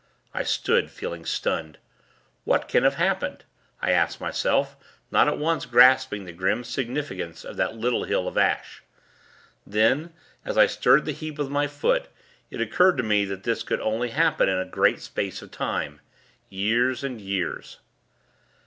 I stood, feeling stunned. What can have happened? I asked myself; not at once grasping the grim significance of that little hill of ash. Then, as I stirred the heap with my foot, it occurred to me that this could only happen in a great space of time. Years and years.